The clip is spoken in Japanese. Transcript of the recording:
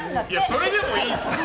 それでもいいんですか？